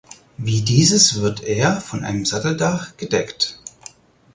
Wie dieses wird er von einem Satteldach gedeckt.